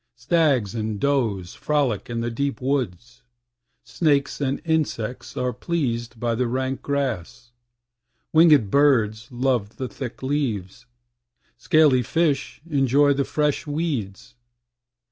Stags and does frolic in the deep woods; Snakes and insects are pleased by the rank grass. Wingèd birds love the thick leaves; Scaly fish enjoy the fresh weeds.